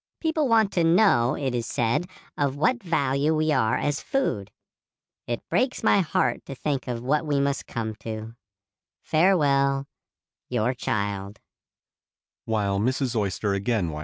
People want to know, it is said, of what value we are as food. It breaks my heart to think of what we must come to. Farewell, Your Child.